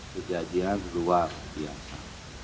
kejadian luar biasa